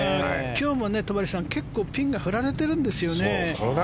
今日も戸張さん結構、ピンが振られているんですよね。